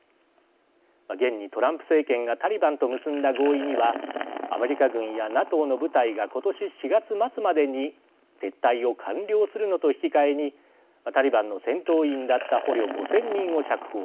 現にトランプ政権がタリバンと結んだ合意にはアメリカ軍やＮＡＴＯの部隊がことし４月末までに撤退を完了するのと引き換えにタリバンの戦闘員だった捕虜５０００人を釈放。